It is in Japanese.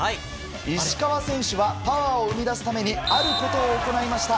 石川選手はパワーを生み出すためにあることを行いました